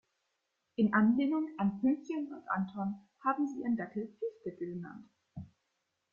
In Anlehnung an Pünktchen und Anton haben sie ihren Dackel Piefke genannt.